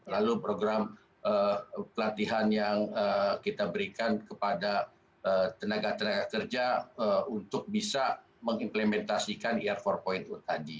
lalu program pelatihan yang kita berikan kepada tenaga tenaga kerja untuk bisa mengimplementasikan ir empat tadi